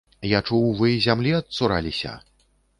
Я чуў, вы зямлі адцураліся.